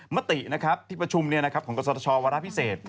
มติที่ประชุมของกฎศาสตร์ชอบวาระพิเศษ